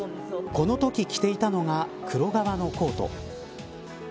このとき着ていたのが黒革のコート。